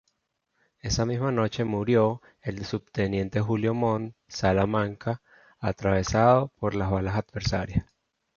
Esa misma noche murió el subteniente Julio Montt Salamanca, atravesado por las balas adversarias.